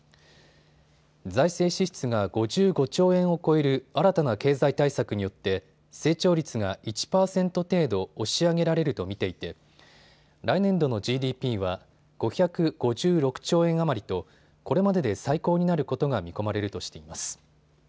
財政支出が５５兆円を超える新たな経済対策によって成長率が１％程度、押し上げられると見ていて来年度のＧＤＰは５５６兆円余りとこれまでで最高になることが見込まれるとしています。